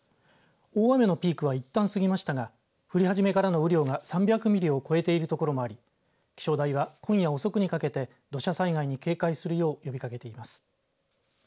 大雨のピークはいったん過ぎましたが降り始めからの雨量が３００ミリを超えているところもあり気象台は今夜遅くにかけて土砂災害に警戒するよう呼びかけています。